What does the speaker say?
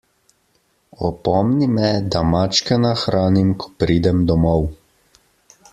Opomni me, da mačke nahranim, ko pridem domov.